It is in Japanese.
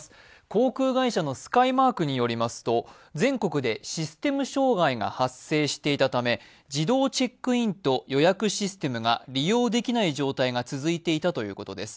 航空会社のスカイマークによりますと全国でシステム障害が発生していたため自動チェックインと予約システムが利用できない状態が続いていたということです。